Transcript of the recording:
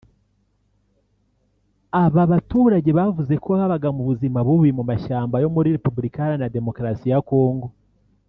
Aba baturage bavuze ko babaga mu buzima bubi mu mashyamba yo muri Repubulika Iharanira Demokarasi ya Congo